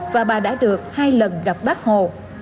và bà đã được hai lần gặp bác hồ